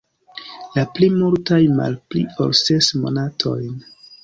La pli multaj malpli ol ses monatojn.